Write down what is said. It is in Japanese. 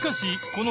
この「＃